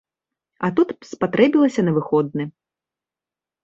А тут спатрэбілася на выходны.